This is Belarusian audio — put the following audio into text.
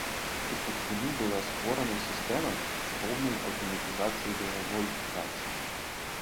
Упершыню была створаная сістэма з поўнай аўтаматызацыяй баявой працы.